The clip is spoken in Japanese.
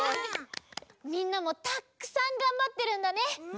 みんなもたっくさんがんばってるんだね！